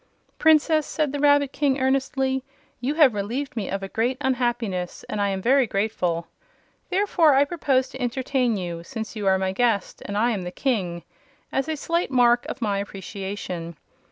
"Princess," said the Rabbit King, earnestly, "you have relieved me of a great unhappiness, and I am very grateful. Therefore I propose to entertain you, since you are my guest and I am the King, as a slight mark of my appreciation.